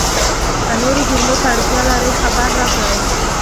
که نورو جملو ته اړتیا لرئ، خبر راکړئ!